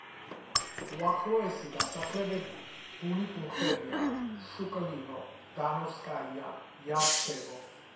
უახლოესი დასახლებული პუნქტებია: შუკლინო, ჟდანოვსკაია, იარცევო.